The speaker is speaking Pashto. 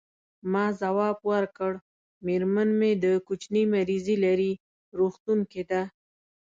ما ځواب ورکړ: میرمن مې د کوچني مریضي لري، روغتون کې ده.